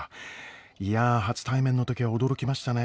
いや初対「麺」の時は驚きましたね。